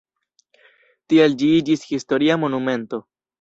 Tial ĝi iĝis historia monumento.